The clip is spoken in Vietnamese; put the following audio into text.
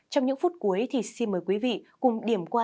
trong những phút cuối thì xin mời quý vị cùng điểm qua